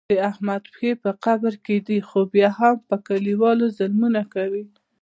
د احمد پښې په قبر کې دي خو بیا هم په کلیوالو ظلمونه کوي.